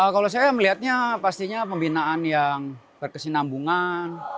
kalau saya melihatnya pastinya pembinaan yang berkesinambungan